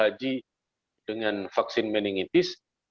haji dengan vaksin meningitis